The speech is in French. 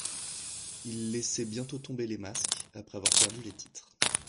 Ils laissaient bientôt tomber les masques après avoir perdu les titres.